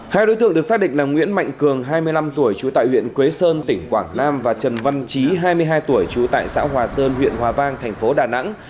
hai đối tượng được xác định là nguyễn mạnh cường hai mươi năm tuổi trú tại huyện quế sơn tỉnh quảng nam và trần văn trí hai mươi hai tuổi trú tại xã hòa sơn huyện hòa vang thành phố đà nẵng